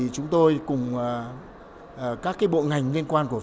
chúng tôi cùng các bộ ngành liên quan của phương án